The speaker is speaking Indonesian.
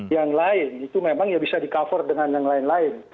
yang lain itu memang ya bisa di cover dengan yang lain lain